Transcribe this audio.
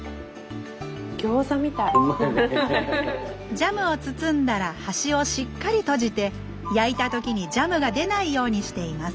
ジャムを包んだら端をしっかり閉じて焼いたときにジャムが出ないようにしています